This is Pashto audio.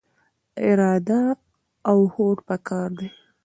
اراده او هوډ پکار دی.